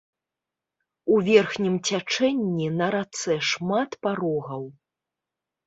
У верхнім цячэнні на рацэ шмат парогаў.